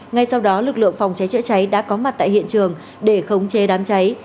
ngay sau đó lực lượng phòng cháy chữa cháy đã có mặt tại hiện trường để khống chế đám cháy